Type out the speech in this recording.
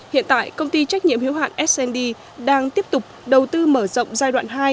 hiện tại công ty trách nhiệm hiếu hạn snd đang tiếp tục đầu tư mở rộng giai đoạn hai